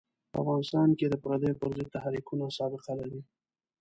په افغانستان کې د پردیو پر ضد تحریکونه سابقه لري.